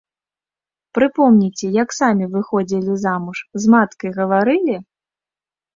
Прыпомніце, як самі выходзілі замуж, з маткай гаварылі?